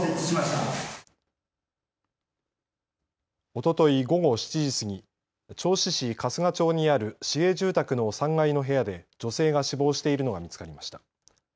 おととい午後７時過ぎ銚子市春日町にある市営住宅の３階の部屋で女性が死亡しているのが見つかりました。